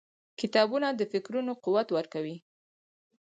• کتابونه د فکرونو قوت ورکوي.